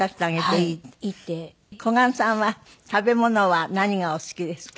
小雁さんは食べ物は何がお好きですか？